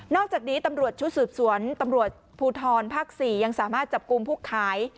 อกจากนี้ตำรวจชุดสืบสวนตำรวจภูทรภาค๔ยังสามารถจับกลุ่มผู้ขาย